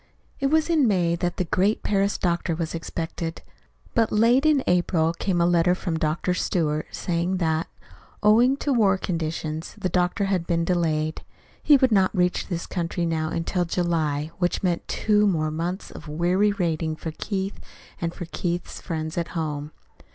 It was in May that the great Paris doctor was expected; but late in April came a letter from Dr. Stewart saying that, owing to war conditions, the doctor had been delayed. He would not reach this country now until July which meant two more months of weary waiting for Keith and for Keith's friends at home.